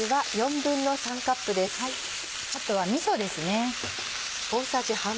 あとはみそですね。